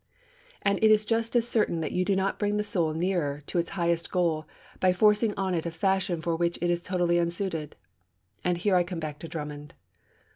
And it is just as certain that you do not bring the soul nearer to its highest goal by forcing on it a fashion for which it is totally unsuited. And here I come back to Drummond.